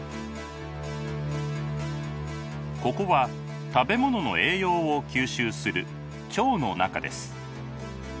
ここは食べ物の栄養を吸収する腸の中です。